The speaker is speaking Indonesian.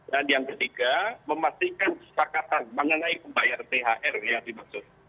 dan yang ketiga memastikan kesepakatan mengenai pembayaran thr yang dimaksud